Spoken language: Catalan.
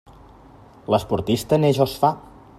L'esportista neix o es fa.